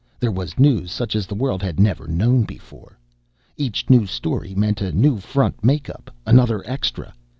There was news such as the world had never known before. Each new story meant a new front make up, another extra.